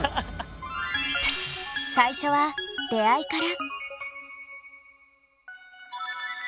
最初は出会いから。